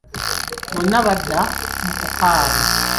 Bonna badda mu kukaaba.